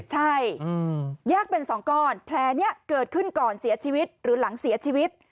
ใช่แยกเป็นสองก้อนแผลนี้เกิดขึ้นก่อนเสียชีวิตหรือหลังเสียชีวิต